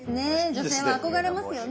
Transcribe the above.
女性は憧れますよね。